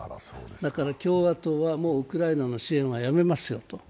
だから共和党は、もうウクライナの支援はやめまよすと。